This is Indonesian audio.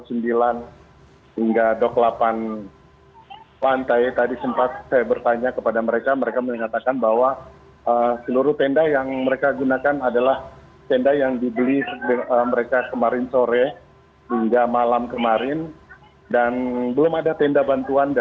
untuk para pengusaha